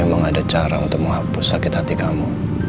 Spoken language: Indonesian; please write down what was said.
memang ada cara untuk menghapus sakit hati kamu